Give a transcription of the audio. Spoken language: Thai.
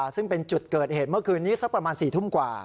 ซึ่งเป็นจุดเกิดเหตุเมื่อคืนนี้สักประมาณ๔ทุ่มกว่า